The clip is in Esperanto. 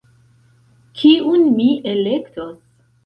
Kiun mi elektos.